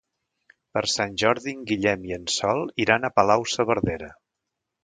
Per Sant Jordi en Guillem i en Sol iran a Palau-saverdera.